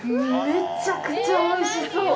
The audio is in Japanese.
めちゃくちゃおいしそう！